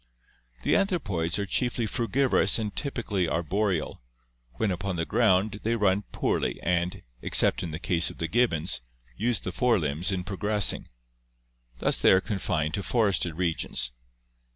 "The anthropoids are chiefly frugivorous and typically arboreal; when upon the ground they run poorly and (except in the case of the gibbons) use the fore limbs in progressing. Thus they are confined to forested regions.